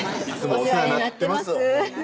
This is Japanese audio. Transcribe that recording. お世話になってます